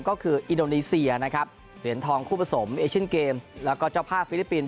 ก็คืออินโดนีเซียเหรียญทองคู่ผสมเอเชนเกมแล้วก็เจ้าผ้าฟิลิปปินส์